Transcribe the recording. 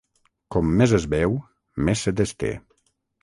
Com més es beu, més set es té.